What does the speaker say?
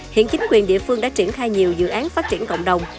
hiện chính quyền địa phương đã triển khai nhiều dự án phát triển cộng đồng